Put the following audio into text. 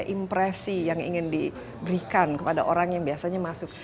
ada apa apa saja yang ingin diberikan kepada orang yang biasanya masuk